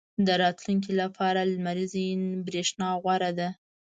• د راتلونکي لپاره لمریزه برېښنا غوره ده.